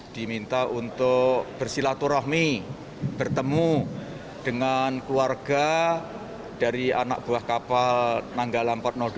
diminta untuk bersilaturahmi bertemu dengan keluarga dari anak buah kapal nanggala empat ratus dua